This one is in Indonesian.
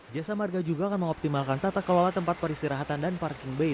jasa marga juga akan mengoptimalkan tata kelola tempat peristirahatan dan parking bay